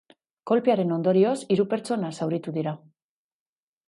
Kolpearen ondorioz, hiru pertsona zauritu dira.